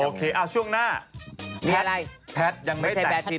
โอเคช่วงหน้าแพทยังไม่แต่แพทตี้